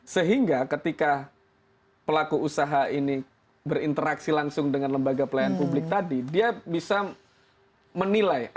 sehingga ketika pelaku usaha ini berinteraksi langsung dengan lembaga pelayanan publik tadi dia bisa menilai